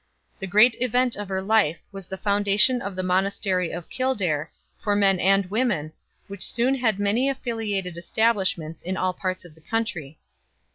The great event of her life was the foundation of the monastery of Kildare, for men and women, which soon had many affiliated establishments in all parts of the country.